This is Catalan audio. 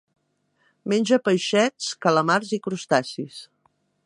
Menja peixets, calamars i crustacis.